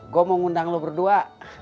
gue mau ngundang lo berdua